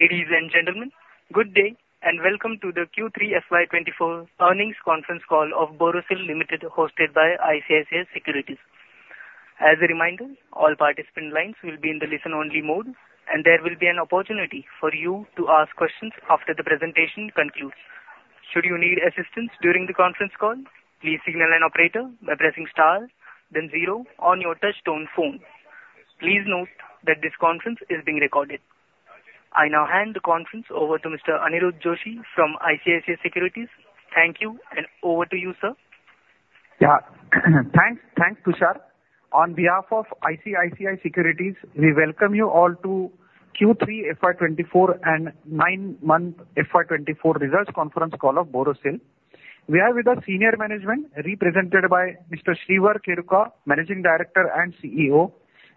Ladies and gentlemen, good day and welcome to the Q3 FY24 earnings conference call of Borosil Limited hosted by ICICI Securities. As a reminder, all participant lines will be in the listen-only mode, and there will be an opportunity for you to ask questions after the presentation concludes. Should you need assistance during the conference call, please signal an operator by pressing star then zero on your touch-tone phone. Please note that this conference is being recorded. I now hand the conference over to Mr. Aniruddha Joshi from ICICI Securities. Thank you, and over to you, sir. Yeah, thanks, thanks, Tusharh. On behalf of ICICI Securities, we welcome you all to Q3 FY 2024 and nine month FY 2024 results conference call of Borosil. We are with the senior management represented by Mr. Shreevar Kheruka, Managing Director and CEO;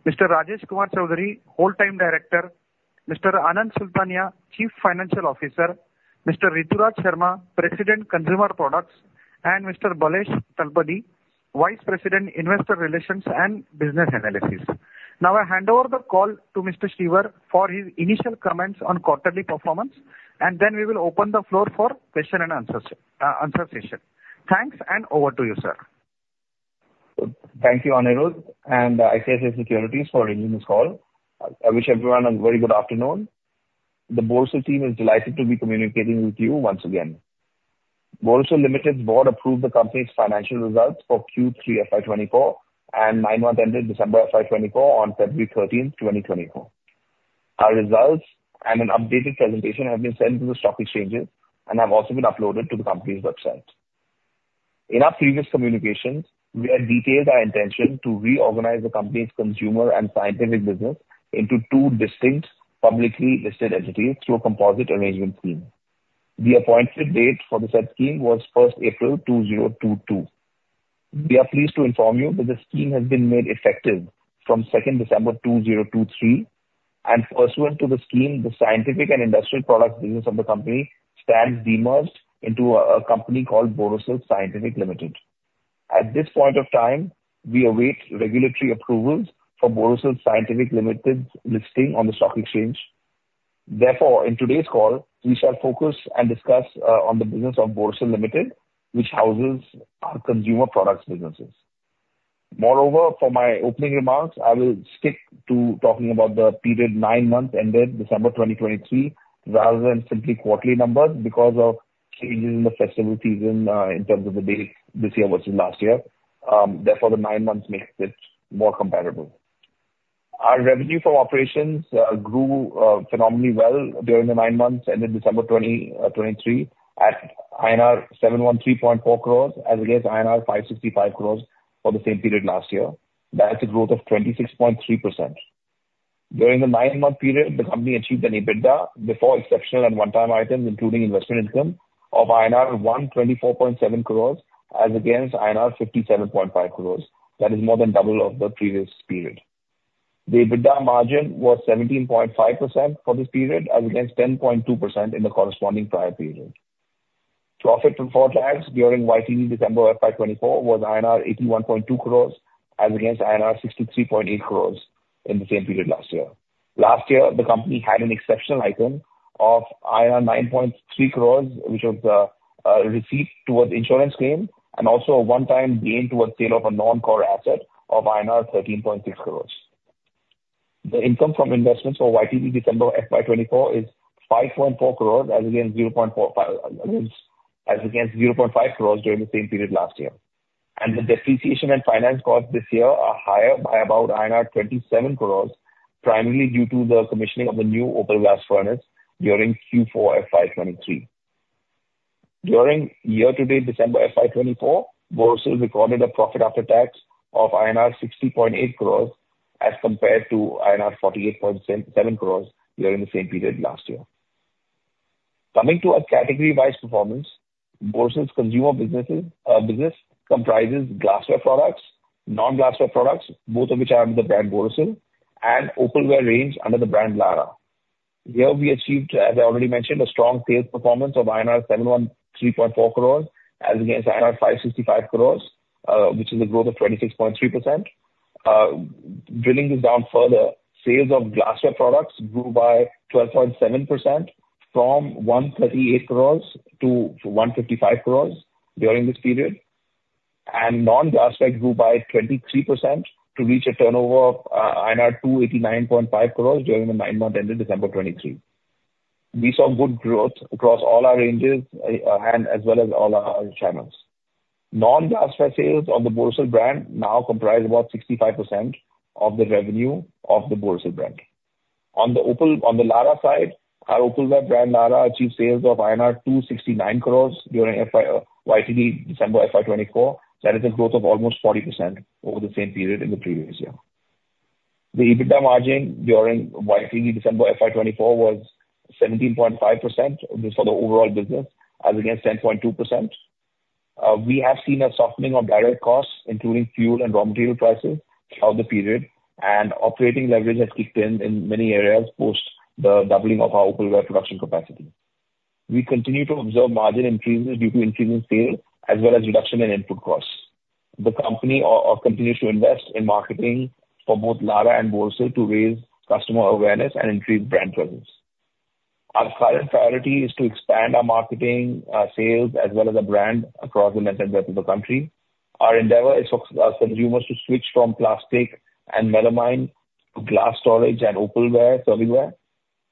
Mr. Rajesh Kumar Chaudhary, Whole-Time Director; Mr. Anand Sultania, Chief Financial Officer; Mr. Rituraj Sharma, President, Consumer Products; and Mr. Balesh Talapady, Vice President, Investor Relations and Business Analysis. Now I hand over the call to Mr. Shreevar for his initial comments on quarterly performance, and then we will open the floor for question and answer session. Thanks, and over to you, sir. Thank you, Aniruddha, and ICICI Securities for bringing this call. I wish everyone a very good afternoon. The Borosil team is delighted to be communicating with you once again. Borosil Limited's board approved the company's financial results for Q3 FY 2024 and nine month ended December FY 2024 on February 13, 2024. Our results and an updated presentation have been sent to the stock exchanges and have also been uploaded to the company's website. In our previous communications, we had detailed our intention to reorganize the company's consumer and scientific business into two distinct publicly listed entities through a composite arrangement scheme. The appointed date for the said scheme was 1st April 2022. We are pleased to inform you that the scheme has been made effective from 2nd December 2023, and pursuant to the scheme, the scientific and industrial products business of the company stands demerged into a company called Borosil Scientific Limited. At this point of time, we await regulatory approvals for Borosil Scientific Limited's listing on the stock exchange. Therefore, in today's call, we shall focus and discuss the business of Borosil Limited, which houses our consumer products businesses. Moreover, for my opening remarks, I will stick to talking about the period nine months ended December 2023 rather than simply quarterly numbers because of changes in the festival season in terms of the dates this year versus last year. Therefore, the nine months makes it more comparable. Our revenue from operations grew phenomenally well during the nine months ended December 2023 at INR 713.4 crores as against INR 565 crores for the same period last year. That's a growth of 26.3%. During the nine month period, the company achieved an EBITDA before exceptional and one-time items, including investment income, of INR 124.7 crores as against INR 57.5 crores. That is more than double of the previous period. The EBITDA margin was 17.5% for this period as against 10.2% in the corresponding prior period. Profit before tax during YTD December FY 2024 was INR 81.2 crores as against INR 63.8 crores in the same period last year. Last year, the company had an exceptional item of INR 9.3 crores, which was a receipt towards insurance claims and also a one-time gain towards sale of a non-core asset of INR 13.6 crores. The income from investments for YTD December FY 2024 is 5.4 crores as against 0.5 crores during the same period last year. The depreciation and finance costs this year are higher by about 27 crores, primarily due to the commissioning of the new opal glass furnace during Q4 FY 2023. During year-to-date December FY 2024, Borosil recorded a profit after tax of INR 60.8 crores as compared to INR 48.7 crores during the same period last year. Coming to our category-wise performance, Borosil's consumer business comprises glassware products, non-glassware products, both of which are under the brand Borosil, and opalware range under the brand Larah. Here, we achieved, as I already mentioned, a strong sales performance of INR 713.4 crores as against INR 565 crores, which is a growth of 26.3%. Drilling down further. Sales of glassware products grew by 12.7% from 138 crores to 155 crores during this period, and non-glassware grew by 23% to reach a turnover of INR 289.5 crores during the nine month ended December 2023. We saw good growth across all our ranges as well as all our channels. Non-glassware sales on the Borosil brand now comprise about 65% of the revenue of the Borosil brand. On the Larah side, our opalware brand Larah achieved sales of INR 269 crores during YTD December FY 2024. That is a growth of almost 40% over the same period in the previous year. The EBITDA margin during YTD December FY 2024 was 17.5% for the overall business as against 10.2%. We have seen a softening of direct costs, including fuel and raw material prices throughout the period, and operating leverage has kicked in in many areas post the doubling of our opalware production capacity. We continue to observe margin increases due to increasing sales as well as reduction in input costs. The company continues to invest in marketing for both Larah and Borosil to raise customer awareness and increase brand presence. Our current priority is to expand our marketing sales as well as our brand across the nationwide country. Our endeavor is for consumers to switch from plastic and melamine to glass storage and opalware serving ware,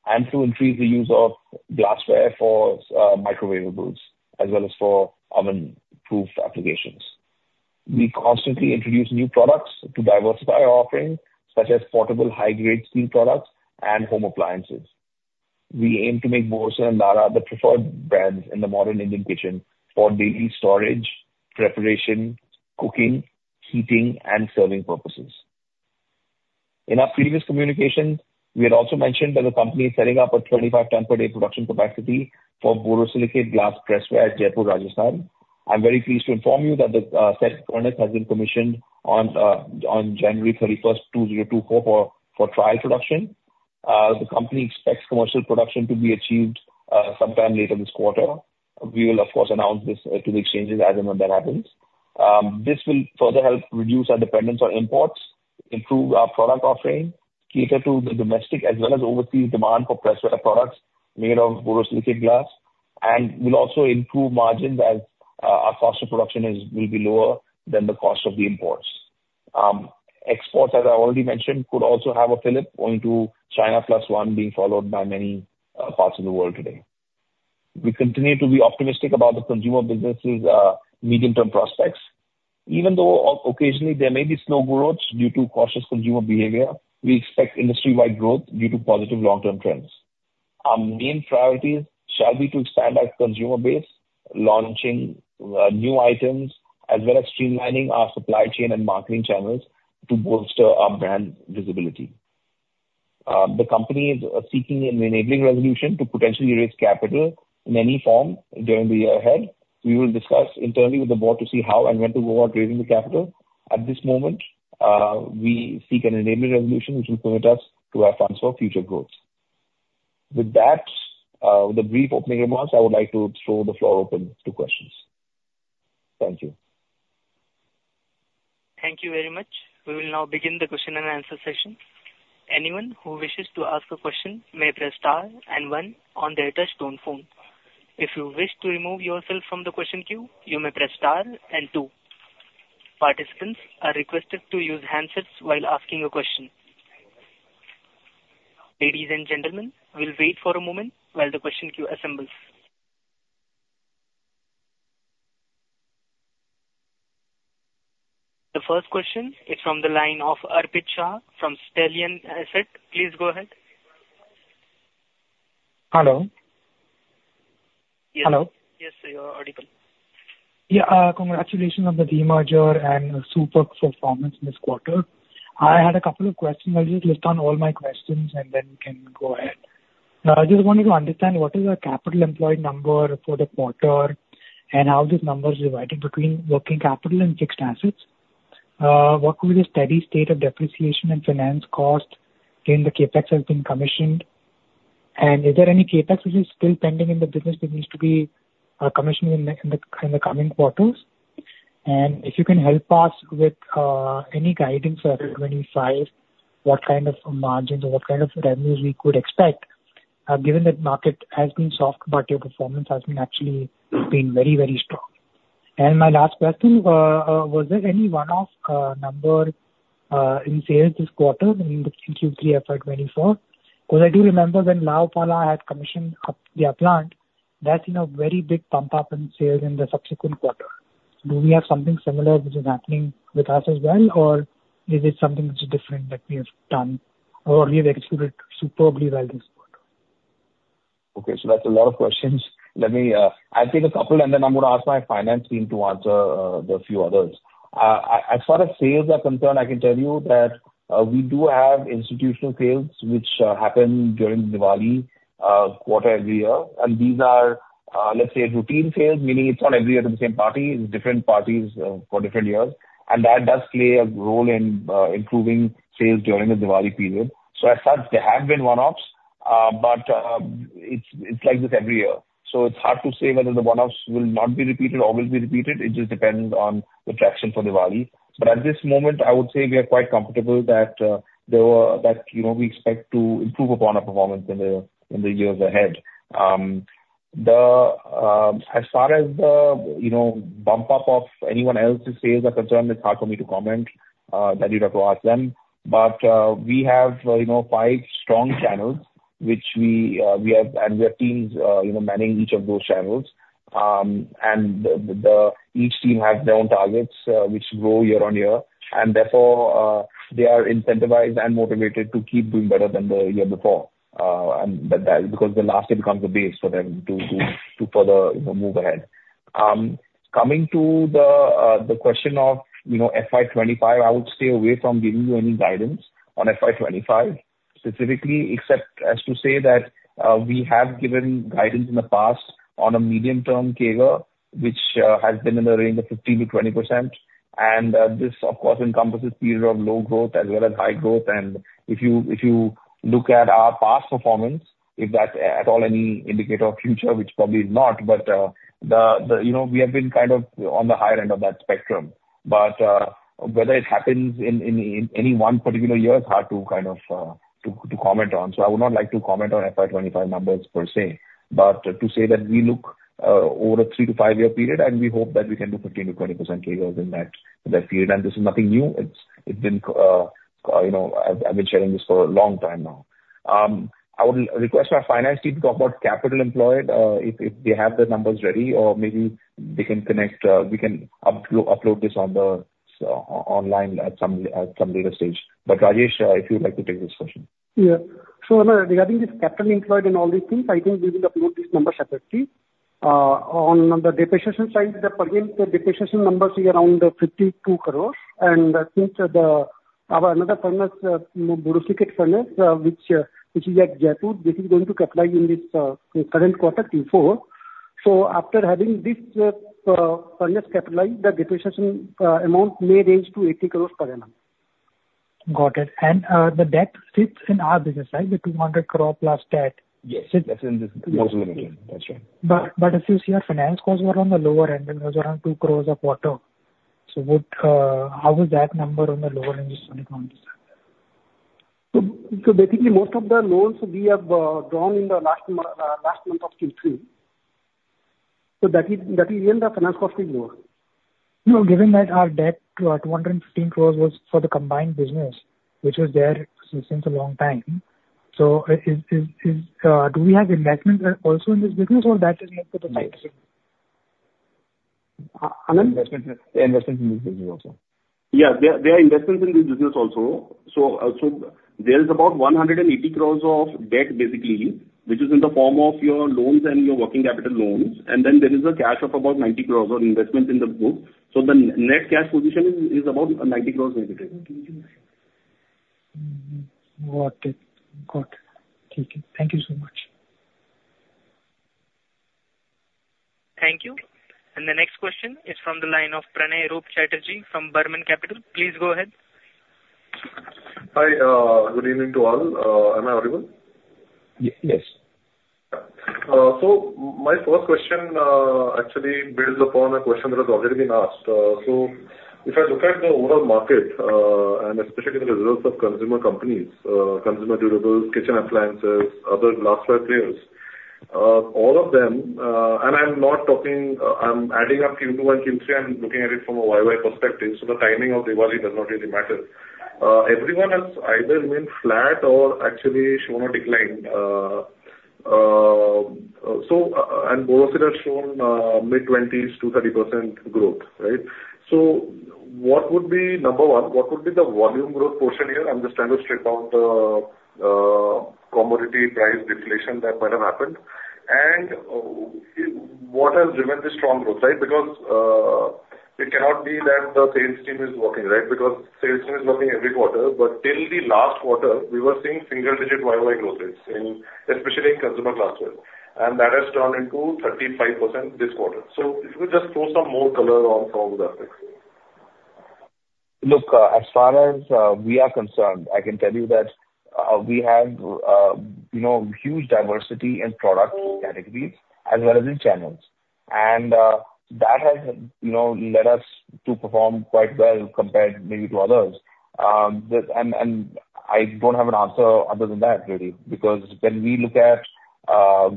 and to increase the use of glassware for microwaveables as well as for oven-proof applications. We constantly introduce new products to diversify our offering, such as portable high-grade steel products and home appliances. We aim to make Borosil and Larah the preferred brands in the modern Indian kitchen for daily storage, preparation, cooking, heating, and serving purposes. In our previous communication, we had also mentioned that the company is setting up a 25-ton per day production capacity for borosilicate glass press ware at Jaipur, Rajasthan. I'm very pleased to inform you that the said furnace has been commissioned on January 31st, 2024, for trial production. The company expects commercial production to be achieved sometime later this quarter. We will, of course, announce this to the exchanges as and when that happens. This will further help reduce our dependence on imports, improve our product offering, cater to the domestic as well as overseas demand for press ware products made of borosilicate glass, and will also improve margins as our cost of production will be lower than the cost of the imports. Exports, as I already mentioned, could also have a fillip going to China plus one, being followed by many parts of the world today. We continue to be optimistic about the consumer business's medium-term prospects. Even though occasionally there may be slow growth due to cautious consumer behavior, we expect industry-wide growth due to positive long-term trends. Our main priorities shall be to expand our consumer base, launching new items, as well as streamlining our supply chain and marketing channels to bolster our brand visibility. The company is seeking an enabling resolution to potentially raise capital in any form during the year ahead. We will discuss internally with the board to see how and when to go about raising the capital. At this moment, we seek an enabling resolution which will permit us to have funds for future growth. With that, with a brief opening remarks, I would like to throw the floor open to questions. Thank you. Thank you very much. We will now begin the question and answer session. Anyone who wishes to ask a question may press star and one on their touch-tone phone. If you wish to remove yourself from the question queue, you may press star and two. Participants are requested to use handsets while asking a question. Ladies and gentlemen, we'll wait for a moment while the question queue assembles. The first question is from the line of Arpit Shah from Stallion Asset. Please go ahead. Hello. Yes. Hello. Yes, sir. You're audible. Yeah. Congratulations on the demerger and super performance this quarter. I had a couple of questions. I'll just list down all my questions, and then we can go ahead. I just wanted to understand what is our capital employed number for the quarter and how this number is divided between working capital and fixed assets. What will the steady state of depreciation and finance cost in the CapEx has been commissioned? And is there any CapEx which is still pending in the business that needs to be commissioned in the coming quarters? And if you can help us with any guidance for FY 2025, what kind of margins or what kind of revenues we could expect, given that market has been soft, but your performance has actually been very, very strong. And my last question, was there any one-off number in sales this quarter in Q3 FY 2024? Because I do remember when La Opala had commissioned their plant, that's a very big pump-up in sales in the subsequent quarter. Do we have something similar which is happening with us as well, or is it something which is different that we have done or we have executed superbly well this quarter? Okay. That's a lot of questions. I'll take a couple, and then I'm going to ask my finance team to answer the few others. As far as sales are concerned, I can tell you that we do have institutional sales which happen during Diwali quarter every year. These are, let's say, routine sales, meaning it's not every year to the same party. It's different parties for different years. That does play a role in improving sales during the Diwali period. As such, there have been one-offs, but it's like this every year. It's hard to say whether the one-offs will not be repeated or will be repeated. It just depends on the traction for Diwali. But at this moment, I would say we are quite comfortable that we expect to improve upon our performance in the years ahead. As far as the bump-up of anyone else's sales are concerned, it's hard for me to comment. That you'd have to ask them. But we have five strong channels, and we have teams manning each of those channels. Each team has their own targets which grow year on year. Therefore, they are incentivized and motivated to keep doing better than the year before because the last year becomes the base for them to further move ahead. Coming to the question of FY 2025, I would stay away from giving you any guidance on FY 2025 specifically, except as to say that we have given guidance in the past on a medium-term CAGR, which has been in the range of 15%-20%. This, of course, encompasses a period of low growth as well as high growth. If you look at our past performance, if that's at all any indicator of future, which probably is not, but we have been kind of on the higher end of that spectrum. But whether it happens in any one particular year is hard to kind of comment on. So I would not like to comment on FY 2025 numbers per se, but to say that we look over a three to five year period, and we hope that we can do 15%-20% CAGR in that period. And this is nothing new. It's been. I've been sharing this for a long time now. I would request my finance team to talk about capital employed if they have the numbers ready, or maybe they can connect, we can upload this online at some later stage. But Rajesh, if you'd like to take this question. Yeah. So regarding this capital employed and all these things, I think we will upload these numbers separately. On the depreciation side, again, the depreciation numbers are around 52 crore. And since our another furnace, borosilicate furnace, which is at Jaipur, this is going to capitalize in this current quarter Q4. So after having this furnace capitalized, the depreciation amount may range to 80 crore per annum. Got it. And the debt sits in our business, right? The 200 crore+ debt. Yes. That's in Borosil Limited. That's right. But as you see, our finance costs were on the lower end. It was around 2 crore a quarter. So how was that number on the lower end just when it comes to that? So basically, most of the loans we have drawn in the last month of Q3. So that is, again, the finance costs being lower. Given that our debt to 215 crore was for the combined business, which was there since a long time, so do we have investments also in this business, or that is more to the side? Anand? Investments in this business also. Yeah. There are investments in this business also. So there is about 180 crores of debt, basically, which is in the form of your loans and your working capital loans. And then there is a cash of about 90 crores or investments in the books. So the net cash position is about 90 crores negative. Got it. Got it. Thank you so much. Thank you. The next question is from the line of Pranay Roop Chatterjee from Burman Capital. Please go ahead. Hi. Good evening to all. Am I audible? Yes. So my first question actually builds upon a question that has already been asked. So if I look at the overall market, and especially the results of consumer companies, consumer durables, kitchen appliances, other glassware players, all of them and I'm not talking I'm adding up Q2 and Q3. I'm looking at it from a YY perspective. So the timing of Diwali does not really matter. Everyone has either remained flat or actually shown a decline. And Borosil has shown mid-20s, 20-30% growth, right? So number one, what would be the volume growth portion here? I'm just trying to strip out the commodity price deflation that might have happened. And what has driven this strong growth, right? Because it cannot be that the sales team is working, right? Because sales team is working every quarter. Till the last quarter, we were seeing single-digit YoY growth rates, especially in consumer glassware. That has turned into 35% this quarter. If you could just throw some more color on some of those aspects? Look, as far as we are concerned, I can tell you that we have huge diversity in product categories as well as in channels. That has led us to perform quite well compared maybe to others. I don't have an answer other than that, really, because when we look at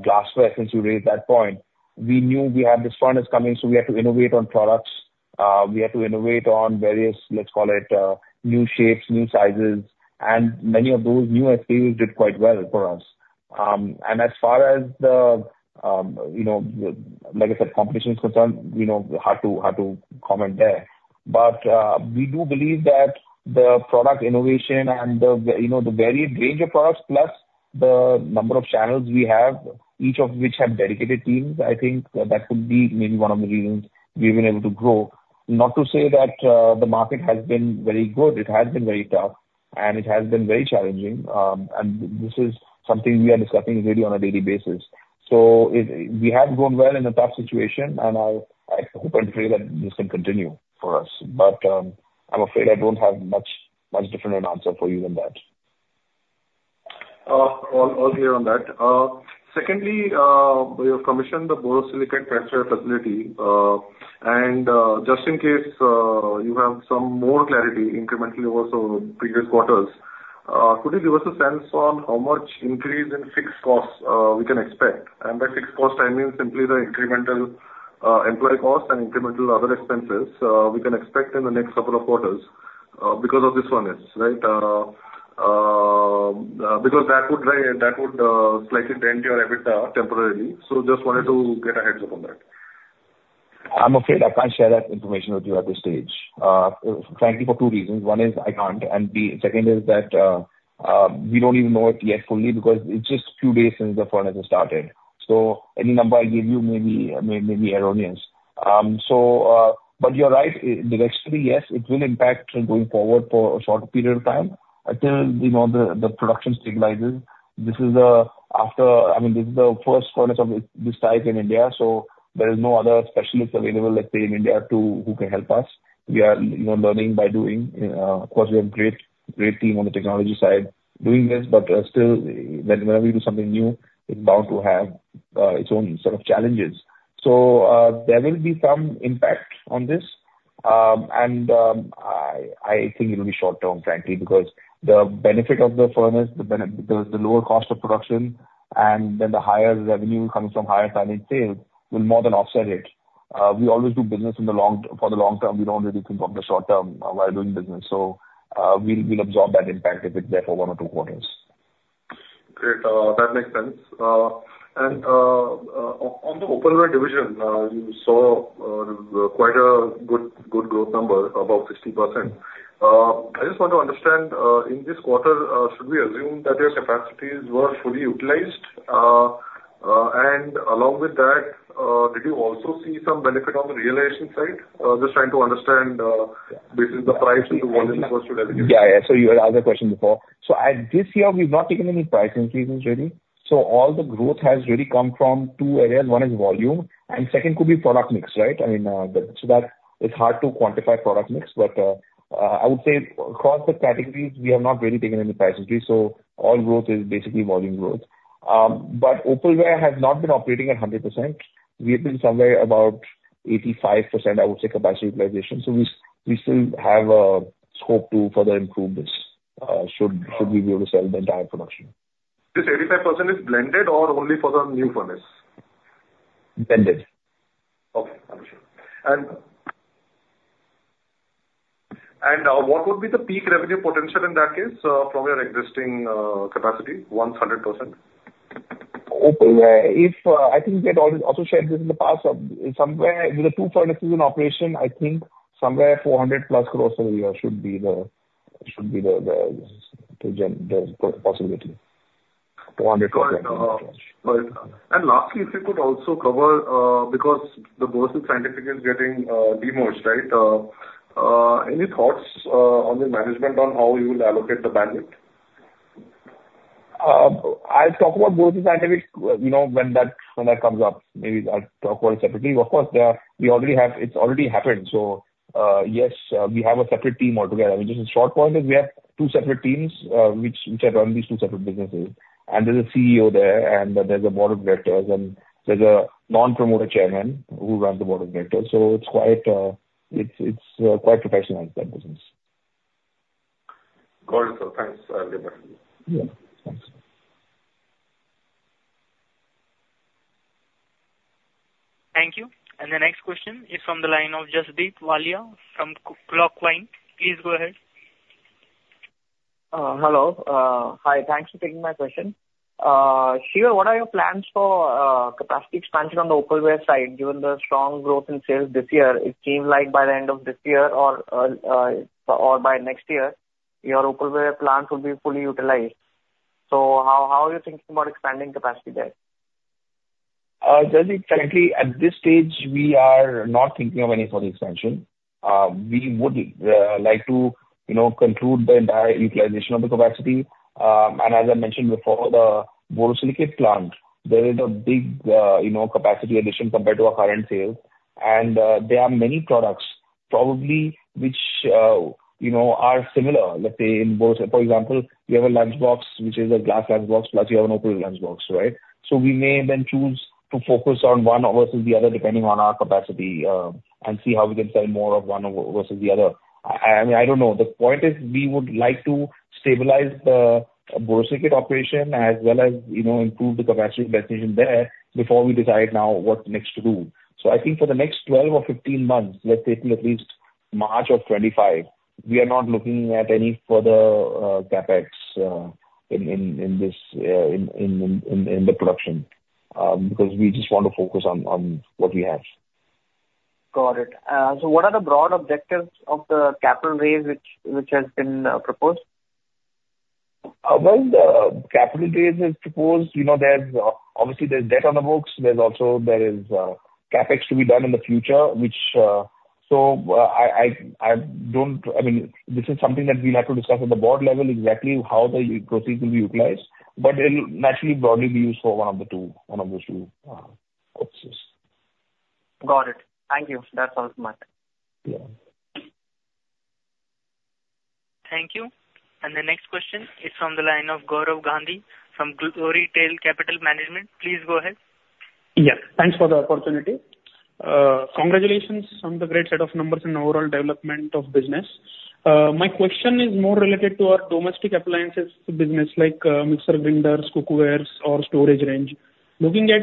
glassware, since you raised that point, we knew we had this furnace coming. We had to innovate on products. We had to innovate on various, let's call it, new shapes, new sizes. Many of those new SKUs did quite well for us. As far as the, like I said, competition is concerned, hard to comment there. But we do believe that the product innovation and the varied range of products plus the number of channels we have, each of which have dedicated teams, I think that could be maybe one of the reasons we've been able to grow. Not to say that the market has been very good. It has been very tough, and it has been very challenging. And this is something we are discussing really on a daily basis. So we have grown well in a tough situation, and I hope and pray that this can continue for us. But I'm afraid I don't have much different an answer for you than that. I'll hold on that. Secondly, you have commissioned the borosilicate press ware facility. And just in case you have some more clarity incrementally over some previous quarters, could you give us a sense on how much increase in fixed costs we can expect? And by fixed costs, I mean simply the incremental employee costs and incremental other expenses we can expect in the next couple of quarters because of this furnace, right? Because that would slightly dent your EBITDA temporarily. So just wanted to get a heads up on that. I'm afraid I can't share that information with you at this stage. Frankly, for two reasons. One is I can't. Second is that we don't even know it yet fully because it's just a few days since the furnace has started. So any number I gave you may be erroneous. But you're right. Directly, yes, it will impact going forward for a short period of time until the production stabilizes. This is the, I mean, this is the first furnace of this type in India. So there is no other specialist available, let's say, in India who can help us. We are learning by doing. Of course, we have a great team on the technology side doing this. But still, whenever you do something new, it's bound to have its own set of challenges. So there will be some impact on this. I think it'll be short-term, frankly, because the benefit of the furnace, the lower cost of production, and then the higher revenue coming from higher-timing sales will more than offset it. We always do business for the long term. We don't really think of the short term while doing business. So we'll absorb that impact if it's there for one or two quarters. Great. That makes sense. On the opalware division, you saw quite a good growth number, about 60%. I just want to understand, in this quarter, should we assume that your capacities were fully utilized? And along with that, did you also see some benefit on the realization side? Just trying to understand, is this price-led or volume-led? Yeah, yeah. So you had asked the question before. So this year, we've not taken any price increases really. So all the growth has really come from two areas. One is volume. And second could be product mix, right? I mean, so that is hard to quantify product mix. But I would say across the categories, we have not really taken any price increase. So all growth is basically volume growth. But opalware has not been operating at 100%. We have been somewhere about 85%, I would say, capacity utilization. So we still have scope to further improve this should we be able to sell the entire production. This 85% is blended or only for the new furnace? Blended. Okay. Understood. What would be the peak revenue potential in that case from your existing capacity, once 100%? I think we had also shared this in the past. With the two furnaces in operation, I think somewhere 400+ crores per year should be the possibility. 400+ crores. Got it. Got it. And lastly, if you could also cover because the Borosil Scientific is getting demerged, right? Any thoughts on the management on how you will allocate the bandwidth? I'll talk about Borosil Scientific when that comes up. Maybe I'll talk about it separately. Of course, it's already happened. So yes, we have a separate team altogether. I mean, just a short point is we have two separate teams which have run these two separate businesses. And there's a CEO there, and there's a board of directors. And there's a non-promoter chairman who runs the board of directors. So it's quite professionalized that business. Got it. So thanks, Shreever. Yeah. Thanks. Thank you. The next question is from the line of Jasdeep Walia from Clockvine. Please go ahead. Hello. Hi. Thanks for taking my question. Shreevar, what are your plans for capacity expansion on the opalware side given the strong growth in sales this year? It seems like by the end of this year or by next year, your opalware plant would be fully utilized. So how are you thinking about expanding capacity there? Jasdeep, frankly, at this stage, we are not thinking of any further expansion. We would like to conclude the entire utilization of the capacity. As I mentioned before, the borosilicate plant, there is a big capacity addition compared to our current sales. There are many products, probably, which are similar, let's say, in borosilicate. For example, you have a lunchbox, which is a glass lunchbox, plus you have an open lunchbox, right? So we may then choose to focus on one versus the other depending on our capacity and see how we can sell more of one versus the other. I mean, I don't know. The point is we would like to stabilize the borosilicate operation as well as improve the capacity utilization there before we decide now what next to do. So I think for the next 12 or 15 months, let's say till at least March of 2025, we are not looking at any further CapEx in the production because we just want to focus on what we have. Got it. So what are the broad objectives of the capital raise which has been proposed? When the capital raise is proposed, obviously, there's debt on the books. Also, there is CapEx to be done in the future, which, I mean, this is something that we'll have to discuss at the board level exactly how the proceeds will be utilized. But it'll naturally, broadly, be used for one of the two, one of those two purposes. Got it. Thank you. That's all from us. Yeah. Thank you. The next question is from the line of Gaurav Gandhi from Glorytail Capital Management. Please go ahead. Yes. Thanks for the opportunity. Congratulations on the great set of numbers and overall development of business. My question is more related to our domestic appliances business, like mixer grinders, cook wares, or storage range. Looking at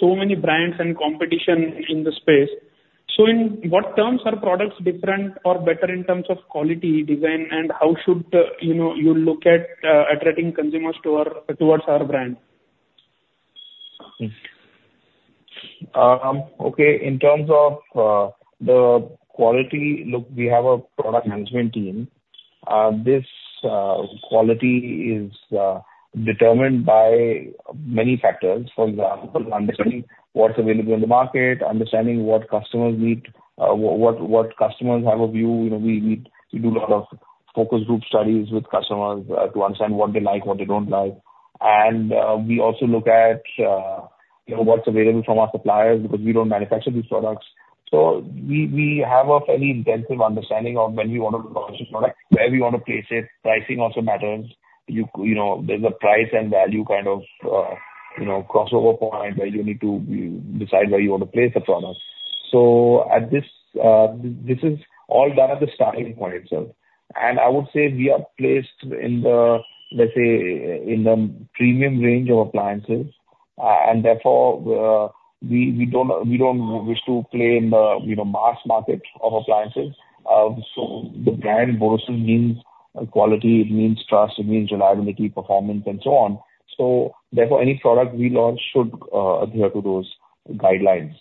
so many brands and competition in the space, so in what terms are products different or better in terms of quality, design, and how should you look at attracting consumers towards our brand? Okay. In terms of the quality, look, we have a product management team. This quality is determined by many factors. For example, understanding what's available in the market, understanding what customers need, what customers have a view. We do a lot of focus group studies with customers to understand what they like, what they don't like. And we also look at what's available from our suppliers because we don't manufacture these products. So we have a fairly intensive understanding of when we want to launch a product, where we want to place it. Pricing also matters. There's a price and value kind of crossover point where you need to decide where you want to place the product. So this is all done at the starting point itself. And I would say we are placed in the, let's say, in the premium range of appliances. Therefore, we don't wish to play in the mass market of appliances. So the brand Borosil means quality. It means trust. It means reliability, performance, and so on. So therefore, any product we launch should adhere to those guidelines.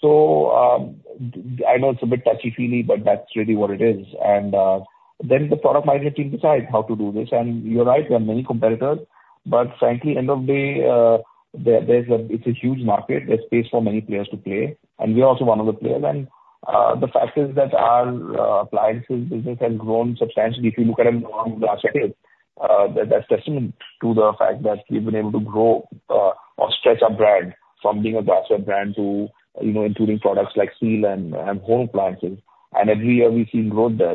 So I know it's a bit touchy-feely, but that's really what it is. And then the product management team decides how to do this. And you're right. There are many competitors. But frankly, end of day, it's a huge market. There's space for many players to play. And we are also one of the players. And the fact is that our appliances business has grown substantially. If you look at it on the glassware page, that's testament to the fact that we've been able to grow or stretch our brand from being a glassware brand to including products like small home appliances. And every year, we've seen growth there.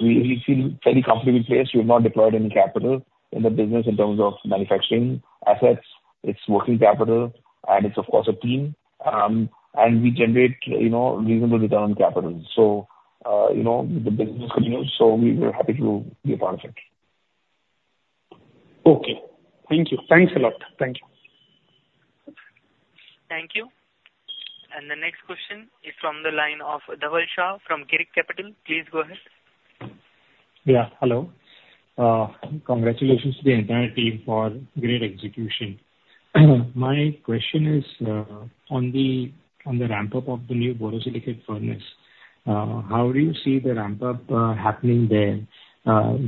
We feel fairly comfortably placed. We have not deployed any capital in the business in terms of manufacturing assets. It's working capital. It's, of course, a team. We generate reasonable return on capital. The business continues. We're happy to be a part of it. Okay. Thank you. Thanks a lot. Thank you. Thank you. The next question is from the line of Dhaval Shah from Girik Capital. Please go ahead. Yeah. Hello. Congratulations to the entire team for great execution. My question is on the ramp-up of the new borosilicate furnace. How do you see the ramp-up happening there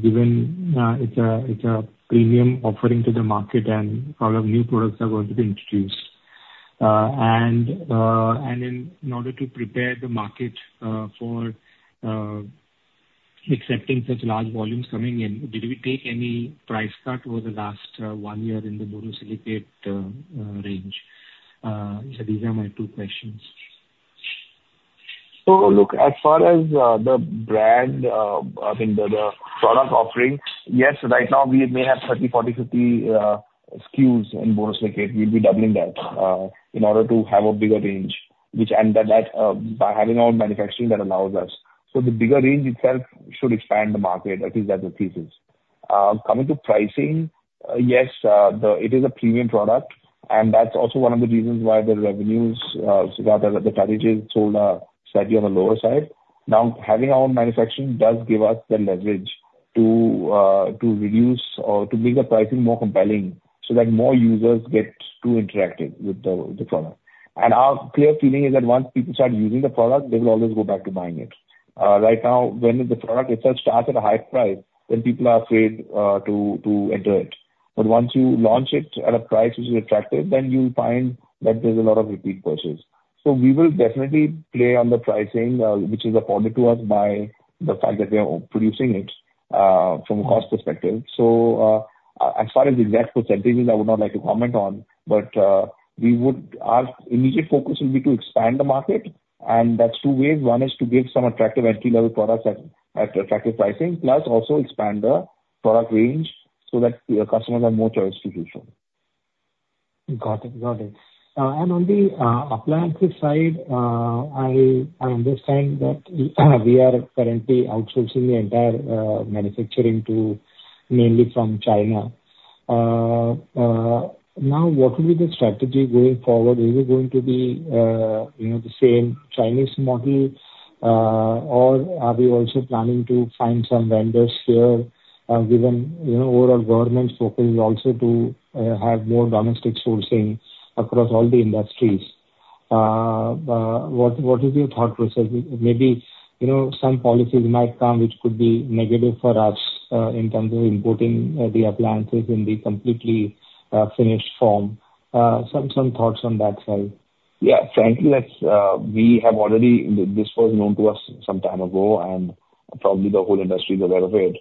given it's a premium offering to the market and a lot of new products are going to be introduced? And in order to prepare the market for accepting such large volumes coming in, did we take any price cut over the last one year in the borosilicate range? So these are my two questions. So look, as far as the brand, I mean, the product offering, yes, right now, we may have 30, 40, 50 SKUs in borosilicate. We'll be doubling that in order to have a bigger range, which and by having our manufacturing that allows us. So the bigger range itself should expand the market. At least that's the thesis. Coming to pricing, yes, it is a premium product. And that's also one of the reasons why the revenues rather than the tag is sold slightly on the lower side. Now, having our own manufacturing does give us the leverage to reduce or to make the pricing more compelling so that more users get to interact with the product. And our clear feeling is that once people start using the product, they will always go back to buying it. Right now, when the product itself starts at a high price, then people are afraid to enter it. But once you launch it at a price which is attractive, then you'll find that there's a lot of repeat purchase. So we will definitely play on the pricing, which is afforded to us by the fact that we are producing it from a cost perspective. So as far as the exact percentages, I would not like to comment on. But our immediate focus will be to expand the market. That's two ways. One is to give some attractive entry-level products at attractive pricing, plus also expand the product range so that customers have more choice to choose from. Got it. Got it. And on the appliances side, I understand that we are currently outsourcing the entire manufacturing mainly from China. Now, what would be the strategy going forward? Is it going to be the same Chinese model, or are we also planning to find some vendors here given overall government focus also to have more domestic sourcing across all the industries? What is your thought, Jasdeep? Maybe some policies might come which could be negative for us in terms of importing the appliances in the completely finished form. Some thoughts on that side. Yeah. Frankly, this was known to us some time ago, and probably the whole industry is aware of it.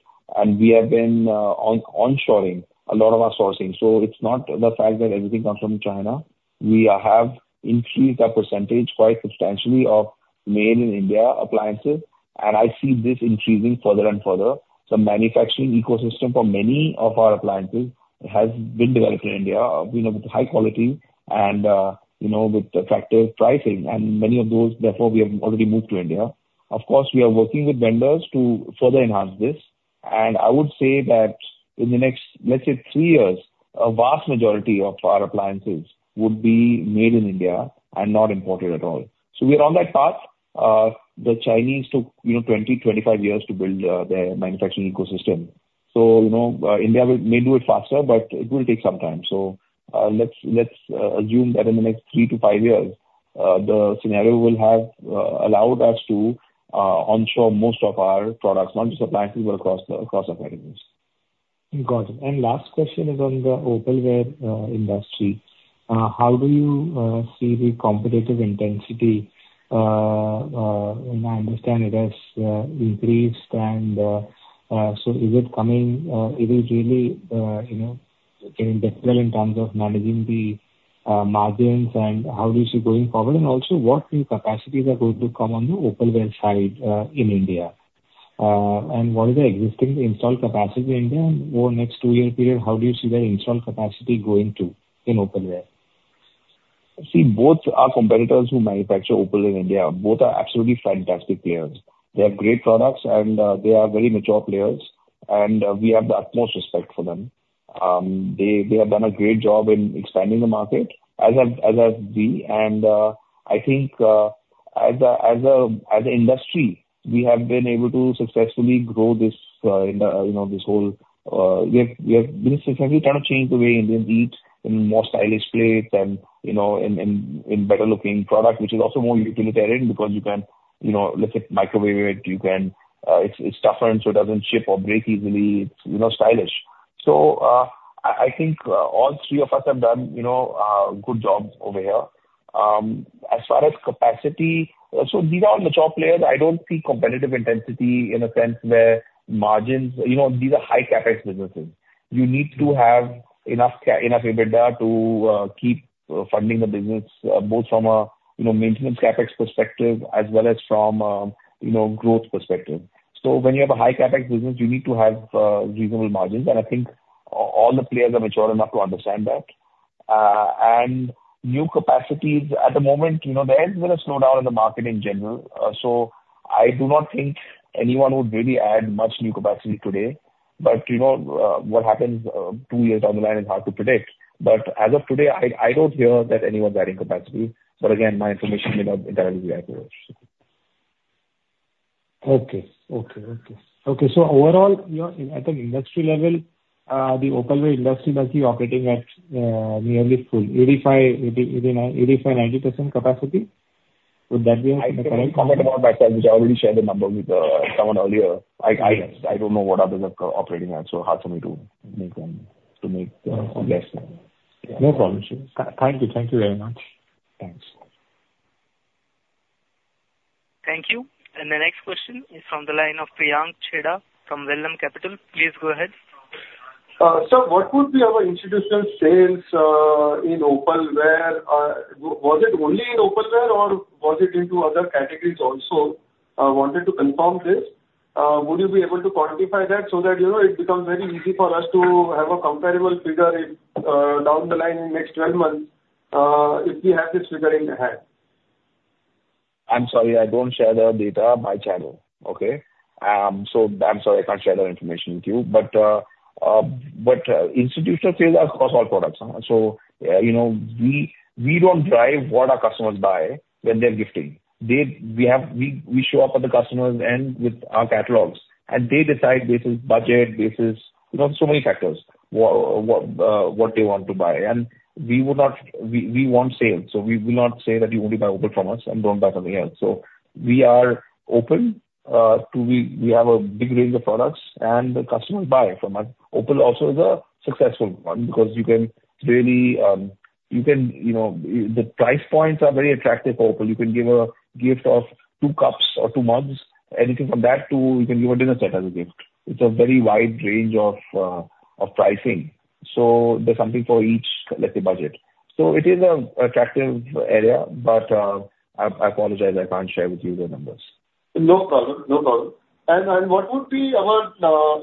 We have been onshoring a lot of our sourcing. It's not the fact that everything comes from China. We have increased our percentage quite substantially of made-in-India appliances. I see this increasing further and further. The manufacturing ecosystem for many of our appliances has been developed in India with high quality and with attractive pricing. Many of those, therefore, we have already moved to India. Of course, we are working with vendors to further enhance this. I would say that in the next, let's say, three years, a vast majority of our appliances would be made in India and not imported at all. We are on that path. The Chinese took 20-25 years to build their manufacturing ecosystem. India may do it faster, but it will take some time. Let's assume that in the next three to five years, the scenario will have allowed us to onshore most of our products, not just appliances, but across our categories. Got it. Last question is on the opalware industry. How do you see the competitive intensity? I understand it has increased. So is it coming it is really getting difficult in terms of managing the margins. How do you see going forward? Also, what new capacities are going to come on the opalware side in India? What is the existing installed capacity in India? Over the next two-year period, how do you see the installed capacity going to in opalware? See, both are competitors who manufacture opalware in India. Both are absolutely fantastic players. They have great products, and they are very mature players. We have the utmost respect for them. They have done a great job in expanding the market as have we. I think as an industry, we have been able to successfully grow this whole we have been successfully trying to change the way Indians eat in more stylish plates and in better-looking products, which is also more utilitarian because you can, let's say, microwave it. It's tougher, and so it doesn't chip or break easily. It's stylish. So I think all three of us have done a good job over here. As far as capacity, these are all mature players. I don't see competitive intensity in a sense where margins—these are high CapEx businesses. You need to have enough EBITDA to keep funding the business both from a maintenance CapEx perspective as well as from a growth perspective. So when you have a high CapEx business, you need to have reasonable margins. I think all the players are mature enough to understand that. New capacities, at the moment, there's been a slowdown in the market in general. So I do not think anyone would really add much new capacity today. But what happens two years down the line is hard to predict. But as of today, I don't hear that anyone's adding capacity. But again, my information may not entirely be accurate. Okay. So overall, at the industry level, the opalware industry must be operating at nearly full 85%-90% capacity. Would that be correct? I can comment about myself, which I already shared the number with someone earlier. I don't know what others are operating at, so hard for me to make them to make a guess. No problem. Thank you. Thank you very much. Thanks. Thank you. And the next question is from the line of Priyank Chheda from Vallum Capital. Please go ahead. So what would be our institutional sales in opalware? Was it only in 0palware, or was it into other categories also? I wanted to confirm this. Would you be able to quantify that so that it becomes very easy for us to have a comparable figure down the line in the next 12 months if we have this figure in hand? I'm sorry. I don't share the data by channel. Okay? I'm sorry. I can't share that information with you. But institutional sales are across all products. We don't drive what our customers buy when they're gifting. We show up at the customer's end with our catalogs. They decide based on budget, based on so many factors, what they want to buy. We want sales. We will not say that you only buy opalware from us and don't buy something else. We are open. We have a big range of products, and the customers buy from us. Opalware also is a successful one because you can really the price points are very attractive for opalware. You can give a gift of two cups or two mugs, anything from that to a dinner set as a gift. It's a very wide range of pricing. So there's something for each, let's say, budget. So it is an attractive area. But I apologize. I can't share with you the numbers. No problem. No problem. What would be our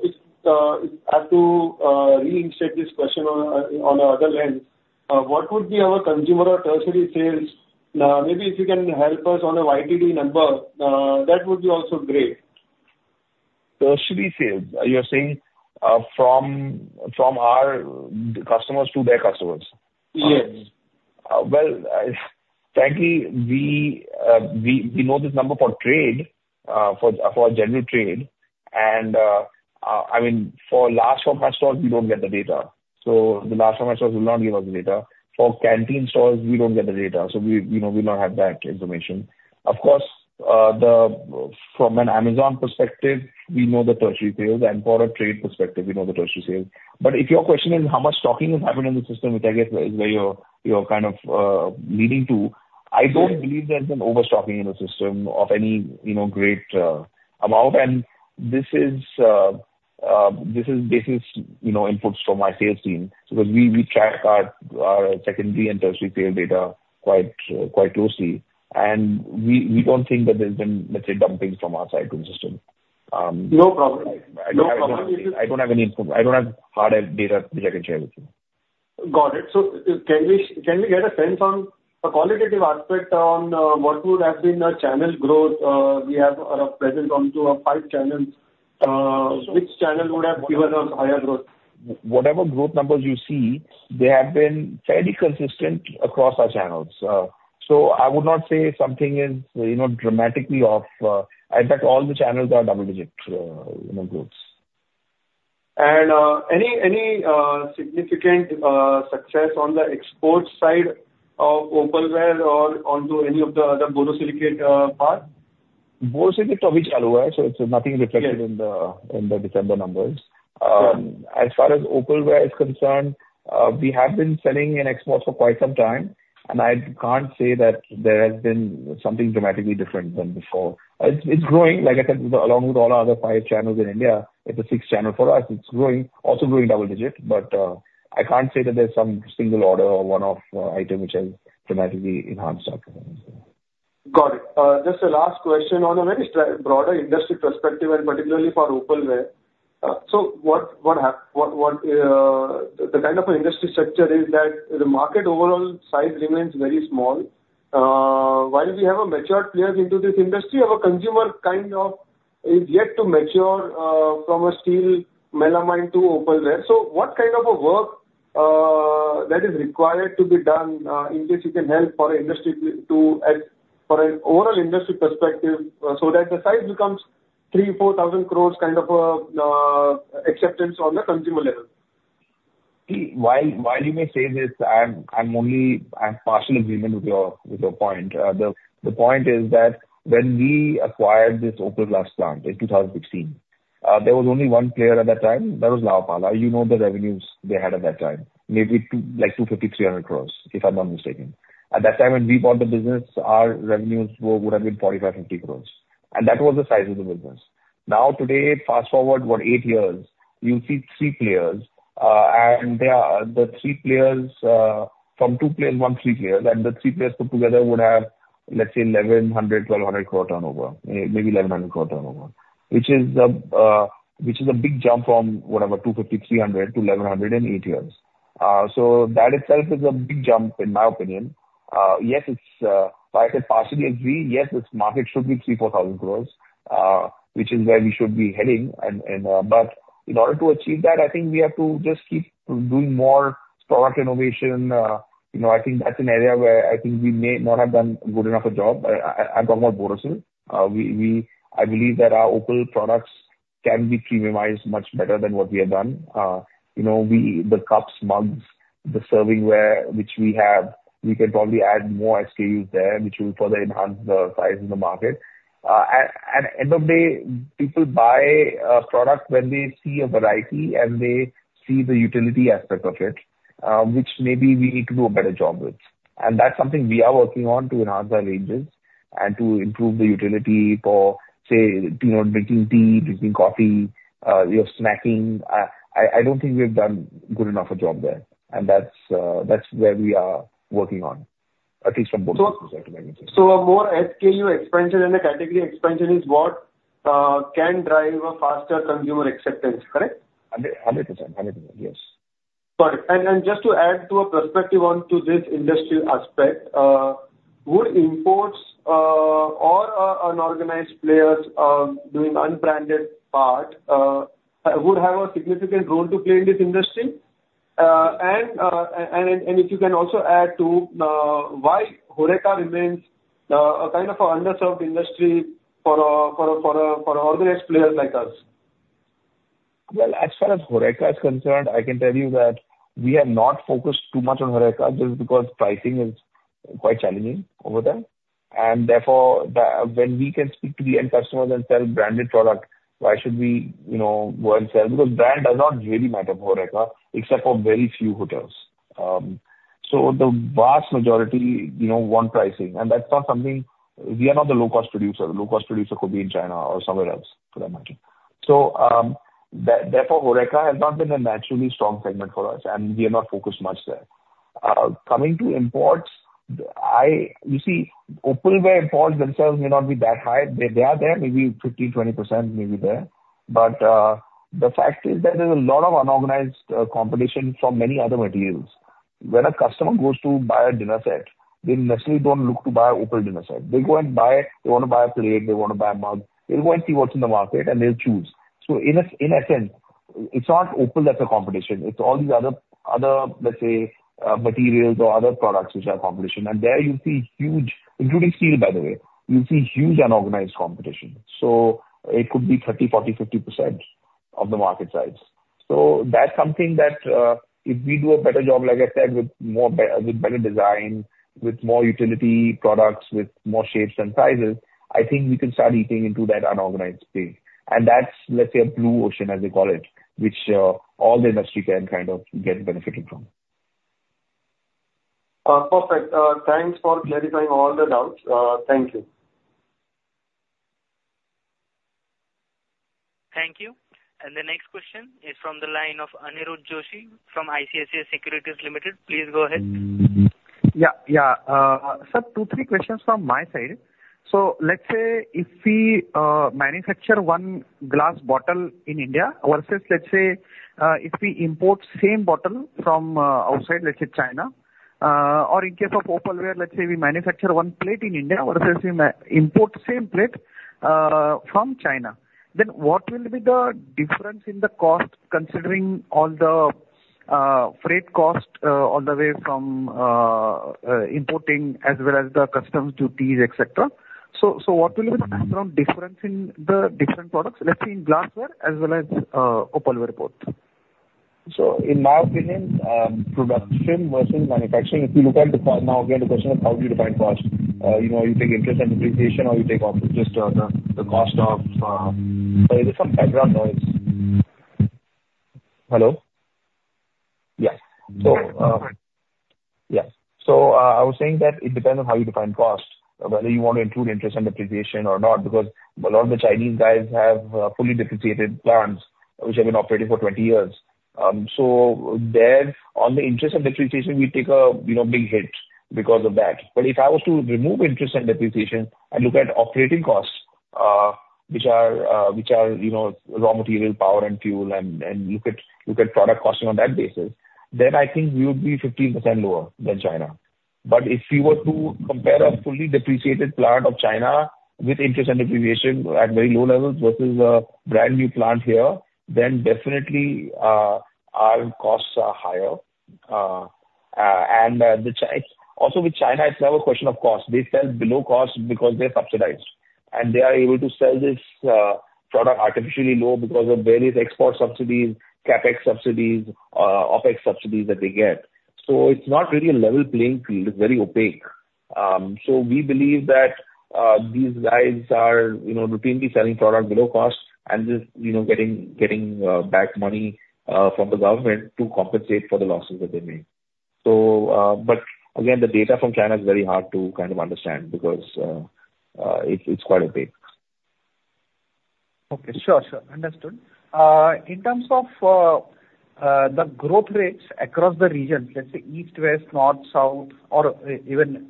if I have to reinsert this question on another lens, what would be our consumer or tertiary sales? Maybe if you can help us on a YTD number, that would be also great. Tertiary sales, you're saying from our customers to their customers? Yes. Well, frankly, we know this number for trade, for general trade. And I mean, for large format stores, we don't get the data. So the large format stores will not give us the data. For canteen stores, we don't get the data. So we will not have that information. Of course, from an Amazon perspective, we know the tertiary sales. And from a trade perspective, we know the tertiary sales. But if your question is how much stocking has happened in the system, which I guess is where you're kind of leading to, I don't believe there's been overstocking in the system of any great amount. And this is based on inputs from my sales team because we track our secondary and tertiary sales data quite closely. And we don't think that there's been, let's say, dumping from our side to the system. No problem. No problem. I don't have any hard data which I can share with you. Got it. So can we get a sense on a qualitative aspect on what would have been a channel growth we have present onto our five channels? Which channel would have given us higher growth? Whatever growth numbers you see, they have been fairly consistent across our channels. So I would not say something is dramatically off. In fact, all the channels are double-digit growths. Any significant success on the export side of opalware or onto any of the other borosilicate part? Borosilicate to be challenged. So it's nothing reflected in the December numbers. As far as opalware is concerned, we have been selling in exports for quite some time. And I can't say that there has been something dramatically different than before. It's growing. Like I said, along with all our other five channels in India, it's a six-channel for us. It's growing, also growing double-digit. But I can't say that there's some single order or one-off item which has dramatically enhanced our performance there. Got it. Just a last question on a very broader industry perspective and particularly for opalware. So what the kind of an industry structure is that the market overall size remains very small. While we have matured players into this industry, our consumer kind of is yet to mature from a still melamine to opalware. So what kind of work that is required to be done in case you can help for an industry to for an overall industry perspective so that the size becomes 3,000-4,000 crore kind of acceptance on the consumer level? See, while you may say this, I'm partially in agreement with your point. The point is that when we acquired this Opal Glass plant in 2016, there was only one player at that time. That was La Opala. You know the revenues they had at that time, maybe like 250-300 crore if I'm not mistaken. At that time, when we bought the business, our revenues would have been 45-50 crore. And that was the size of the business. Now, today, fast forward, what, eight years, you'll see three players. And the three players from two players, one, three players. And the three players put together would have, let's say, 1,100-1,200 crore turnover, maybe 1,100 crore turnover, which is a big jump from whatever, 250-300 to 1,100 crore in eight years. So that itself is a big jump, in my opinion. Yes, so I can partially agree. Yes, this market should be 3,000-4,000 crore, which is where we should be heading. But in order to achieve that, I think we have to just keep doing more product innovation. I think that's an area where I think we may not have done a good enough a job. I'm talking about Borosil. I believe that our Opal products can be premiumized much better than what we have done. The cups, mugs, the servingware which we have, we can probably add more SKUs there, which will further enhance the size in the market. At the end of the day, people buy a product when they see a variety and they see the utility aspect of it, which maybe we need to do a better job with. That's something we are working on to enhance our ranges and to improve the utility for, say, drinking tea, drinking coffee, snacking. I don't think we have done good enough a job there. That's where we are working on, at least from Borosil's perspective. A more SKU expansion and a category expansion is what can drive a faster consumer acceptance, correct? 100%. 100%. Yes. Got it. And just to add to a perspective onto this industry aspect, would imports or unorganized players doing unbranded part would have a significant role to play in this industry? And if you can also add to why HoReCa remains a kind of an underserved industry for organized players like us? Well, as far as HoReCa is concerned, I can tell you that we have not focused too much on HoReCa just because pricing is quite challenging over there. And therefore, when we can speak to the end customers and sell branded product, why should we go and sell? Because brand does not really matter for HoReCa except for very few hotels. So the vast majority want pricing. And that's not something we are not the low-cost producer. The low-cost producer could be in China or somewhere else, for that matter. So therefore, HoReCa has not been a naturally strong segment for us, and we are not focused much there. Coming to imports, you see, opalware imports themselves may not be that high. They are there, maybe 15%-20%, maybe there. But the fact is that there's a lot of unorganized competition from many other materials. When a customer goes to buy a dinner set, they necessarily don't look to buy an opal dinner set. They go and buy they want to buy a plate. They want to buy a mug. They'll go and see what's in the market, and they'll choose. So in essence, it's not opal that's a competition. It's all these other, let's say, materials or other products which are competition. And there, you'll see huge including steel, by the way, you'll see huge unorganized competition. So it could be 30%, 40%, 50% of the market size. So that's something that if we do a better job, like I said, with better design, with more utility products, with more shapes and sizes, I think we can start eating into that unorganized space. That's, let's say, a blue ocean, as they call it, which all the industry can kind of get benefited from. Perfect. Thanks for clarifying all the doubts. Thank you. Thank you. The next question is from the line of Aniruddha Joshi from ICICI Securities Limited. Please go ahead. Yeah. Yeah. Two, three questions from my side. Let's say if we manufacture one glass bottle in India versus, let's say, if we import same bottle from outside, let's say, China. Or in case of opalware, let's say, we manufacture one plate in India versus we import same plate from China, then what will be the difference in the cost considering all the freight cost all the way from importing as well as the customs duties, etc.? So what will be the ballpark difference in the different products, let's say, in glassware as well as opalware both? So in my opinion, production versus manufacturing, if you look at the cost now, again, the question of how do you define cost? You take interest and depreciation, or you take just the cost of— so there's some background noise. Hello? Yes. Yes. So I was saying that it depends on how you define cost, whether you want to include interest and depreciation or not because a lot of the Chinese guys have fully depreciated plants which have been operating for 20 years. So there, on the interest and depreciation, we take a big hit because of that. But if I was to remove interest and depreciation and look at operating costs, which are raw material, power, and fuel, and look at product costing on that basis, then I think we would be 15% lower than China. But if we were to compare a fully depreciated plant of China with interest and depreciation at very low levels versus a brand new plant here, then definitely, our costs are higher. And also, with China, it's never a question of cost. They sell below cost because they're subsidized. And they are able to sell this product artificially low because of various export subsidies, CapEx subsidies, OpEx subsidies that they get. So it's not really a level playing field. It's very opaque. So we believe that these guys are routinely selling product below cost and just getting back money from the government to compensate for the losses that they made. But again, the data from China is very hard to kind of understand because it's quite opaque. Okay. Sure. Sure. Understood. In terms of the growth rates across the regions, let's say, east, west, north, south, or even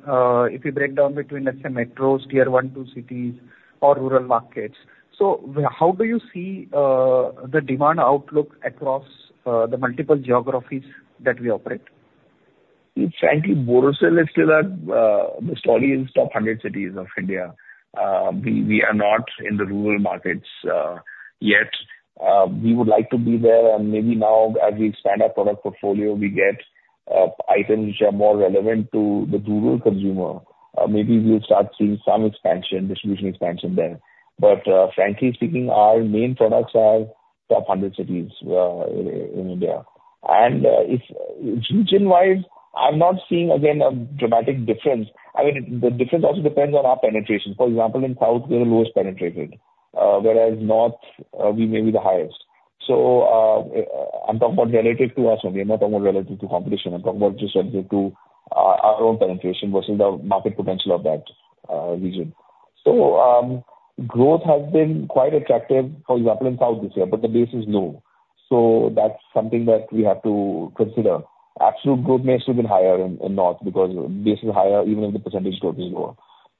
if you break down between, let's say, metros, tier one to cities, or rural markets, so how do you see the demand outlook across the multiple geographies that we operate? Frankly, Borosil, let's say that the story is top 100 cities of India. We are not in the rural markets yet. We would like to be there. And maybe now, as we expand our product portfolio, we get items which are more relevant to the rural consumer. Maybe we'll start seeing some distribution expansion there. But frankly speaking, our main products are top 100 cities in India. And region-wise, I'm not seeing, again, a dramatic difference. I mean, the difference also depends on our penetration. For example, in south, we're the lowest penetrated, whereas north, we may be the highest. So I'm talking about relative to us only. I'm not talking about relative to competition. I'm talking about just relative to our own penetration versus the market potential of that region. So growth has been quite attractive, for example, in south this year, but the base is low. So that's something that we have to consider. Absolute growth may still be higher in north because the base is higher, even if the percentage growth is lower.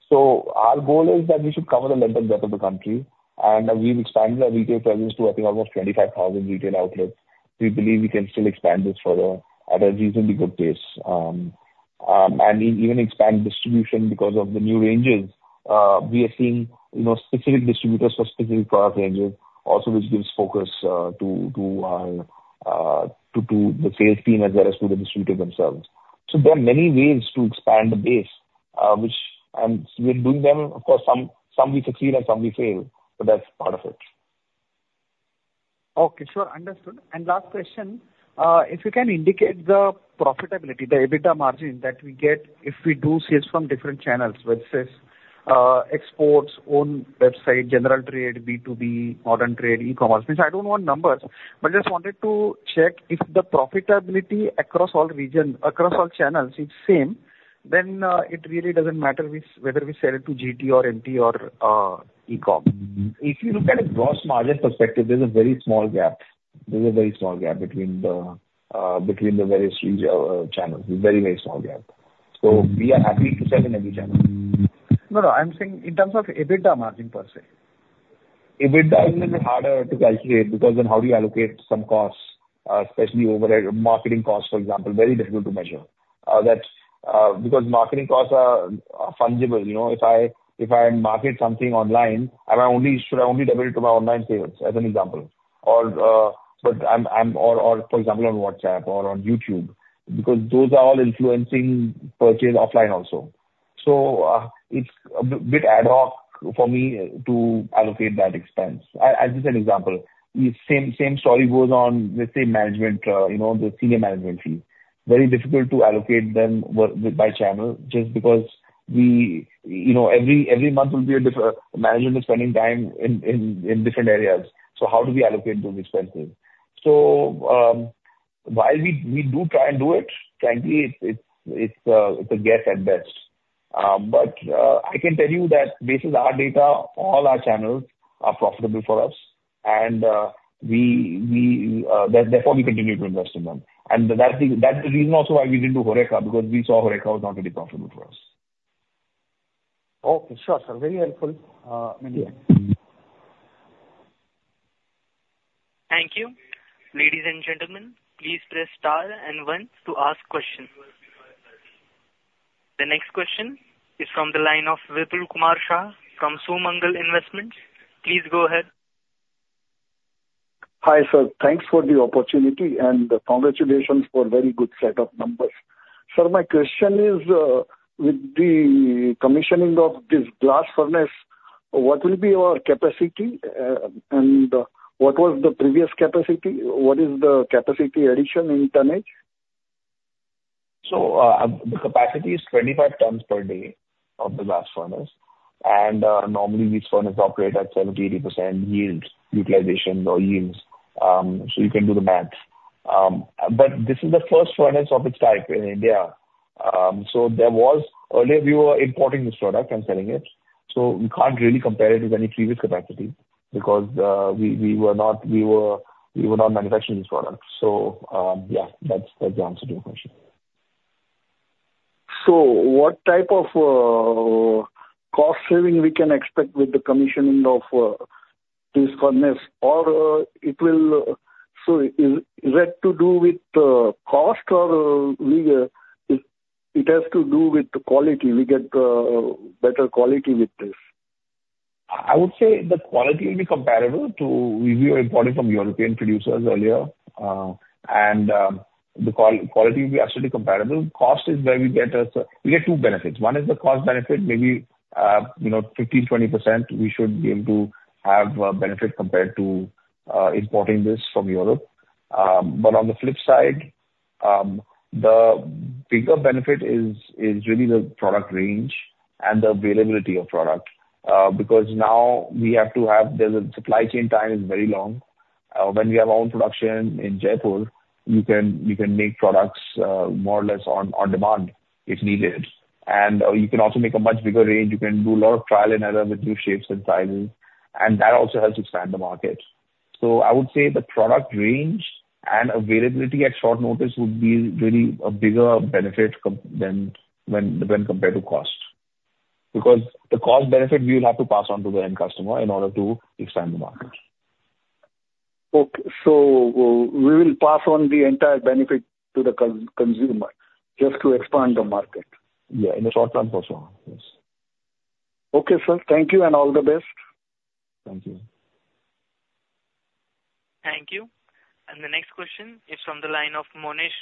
So our goal is that we should cover the length and breadth of the country. And we've expanded our retail presence to, I think, almost 25,000 retail outlets. We believe we can still expand this further at a reasonably good pace and even expand distribution because of the new ranges. We are seeing specific distributors for specific product ranges, also, which gives focus to the sales team as well as to the distributors themselves. So there are many ways to expand the base, which we're doing them. Of course, some we succeed and some we fail, but that's part of it. Okay. Sure. Understood. Last question, if you can indicate the profitability, the EBITDA margin that we get if we do sales from different channels, let's say, exports, own website, general trade, B2B, modern trade, e-commerce. Means, I don't want numbers, but just wanted to check if the profitability across all regions, across all channels, is same, then it really doesn't matter whether we sell it to GT or MT or ecom. If you look at a gross margin perspective, there's a very small gap. There's a very small gap between the various channels. Very, very small gap. So we are happy to sell in every channel. No, no. I'm saying in terms of EBITDA margin, per se. EBITDA is a little bit harder to calculate because then how do you allocate some costs, especially overhead marketing costs, for example, very difficult to measure because marketing costs are fungible. If I market something online, should I only double it to my online sales as an example? But I'm, for example, on WhatsApp or on YouTube because those are all influencing purchase offline also. So it's a bit ad hoc for me to allocate that expense. I'll just say an example. Same story goes on, let's say, management, the senior management fee. Very difficult to allocate them by channel just because every month will be a management is spending time in different areas. So how do we allocate those expenses? So while we do try and do it, frankly, it's a guess at best. I can tell you that based on our data, all our channels are profitable for us. Therefore, we continue to invest in them. That's the reason also why we didn't do HoReCa because we saw HoReCa was not really profitable for us. Okay. Sure. Sure. Very helpful. Many thanks. Thank you. Ladies and gentlemen, please press star and one to ask questions. The next question is from the line of Vipulkumar Shah from Sumangal Investments. Please go ahead. Hi, sir. Thanks for the opportunity, and congratulations for a very good set of numbers. Sir, my question is, with the commissioning of this glass furnace, what will be our capacity? And what was the previous capacity? What is the capacity addition in tonnage? The capacity is 25 tons per day of the glass furnace. Normally, these furnaces operate at 70%-80% yield utilization or yields. You can do the math. But this is the first furnace of its type in India. Earlier, we were importing this product and selling it. We can't really compare it with any previous capacity because we were not manufacturing this product. Yeah, that's the answer to your question. What type of cost saving we can expect with the commissioning of this furnace? Is it to do with cost, or it has to do with the quality? We get better quality with this? I would say the quality will be comparable to we were importing from European producers earlier. The quality will be absolutely comparable. Cost is where we get two benefits. One is the cost benefit, maybe 15%-20%, we should be able to have benefit compared to importing this from Europe. But on the flip side, the bigger benefit is really the product range and the availability of product because now we have to have the supply chain time is very long. When we have our own production in Jaipur, you can make products more or less on demand if needed. You can also make a much bigger range. You can do a lot of trial and error with new shapes and sizes. That also helps expand the market. I would say the product range and availability at short notice would be really a bigger benefit compared to cost because the cost benefit, we will have to pass on to the end customer in order to expand the market. Okay. So we will pass on the entire benefit to the consumer just to expand the market? Yeah, in the short term also. Yes. Okay, sir. Thank you and all the best. Thank you. Thank you. The next question is from the line of Monish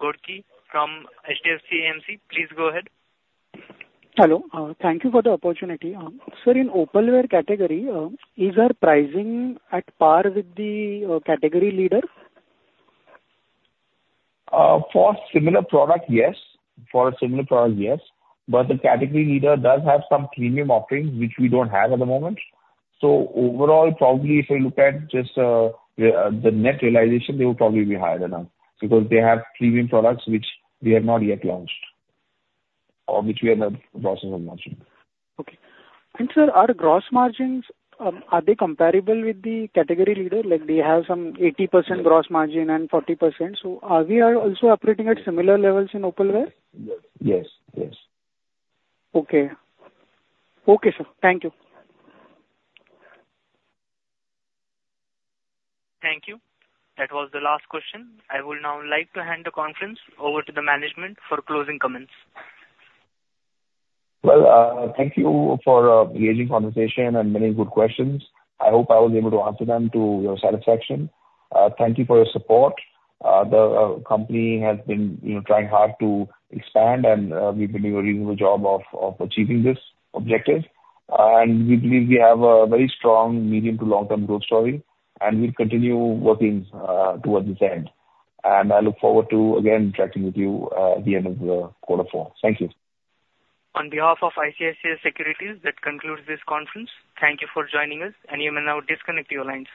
Ghodke from HDFC AMC. Please go ahead. Hello. Thank you for the opportunity. Sir, in opalware category, is our pricing at par with the category leader? For a similar product, yes. For a similar product, yes. But the category leader does have some premium offerings, which we don't have at the moment. So overall, probably, if we look at just the net realization, they will probably be higher than us because they have premium products which we have not yet launched or which we are in the process of launching. Okay. And sir, are gross margins, are they comparable with the category leader? They have some 80% gross margin and 40%. So are we also operating at similar levels in opalware? Yes. Yes. Yes. Okay. Okay, sir. Thank you. Thank you. That was the last question. I will now like to hand the conference over to the management for closing comments. Well, thank you for engaging in the conversation and many good questions. I hope I was able to answer them to your satisfaction. Thank you for your support. The company has been trying hard to expand, and we've been doing a reasonable job of achieving this objective. We believe we have a very strong medium to long-term growth story, and we'll continue working towards this end. I look forward to, again, interacting with you at the end of quarter four. Thank you. On behalf of ICICI Securities, that concludes this conference. Thank you for joining us. You may now disconnect your lines.